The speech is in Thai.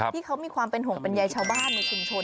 ที่เขามีความเป็นห่วงเป็นใยชาวบ้านในชุมชน